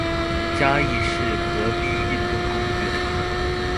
嘉義市河濱運動公園